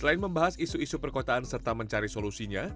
selain membahas isu isu perkotaan serta mencari solusinya